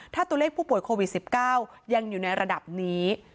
ถ้าตัวเลขผู้ป่วยโควิด๑๙ยังอยู่ในระดับนี้